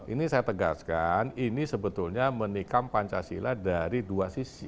ini saya tegaskan ini sebetulnya menikam pancasila dari dua sisi